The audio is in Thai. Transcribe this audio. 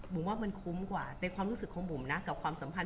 ผมว่ามันคุ้มกว่าในความรู้สึกของบุ๋มนะกับความสัมพันธ